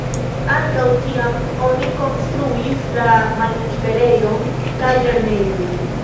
Ankaŭ tiam oni konstruis la Malliberejon kaj Lernejoj.